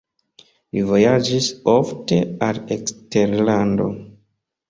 Li vojaĝis ofte al eksterlando.